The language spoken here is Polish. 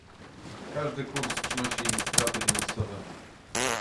Każdy kurs przynosi im straty finansowe